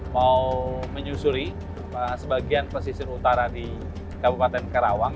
mau menyusuri sebagian pesisir utara di kabupaten karawang